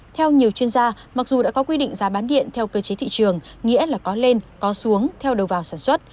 theo nhiều chuyên gia mặc dù đã có quy định giá bán điện theo cơ chế thị trường nghĩa là có lên có xuống theo đầu vào sản xuất